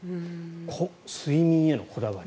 睡眠へのこだわり。